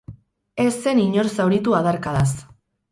Ez zen inor zauritu adarkadaz.